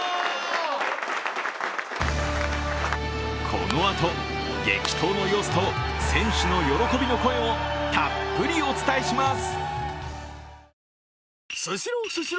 このあと激闘の様子と選手の喜びの声をたっぷりお伝えします。